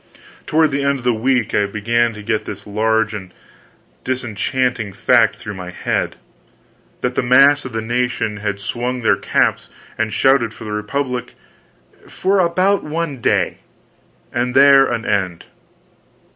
Toward the end of the week I began to get this large and disenchanting fact through my head: that the mass of the nation had swung their caps and shouted for the republic for about one day, and there an end!